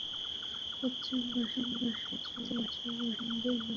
পশ্চিম পাশে ঐতিহ্যবাহী কুশিয়ারা নদী অবস্থিত।